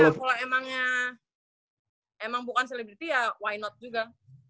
kalau emangnya emang bukan selebriti ya why not juga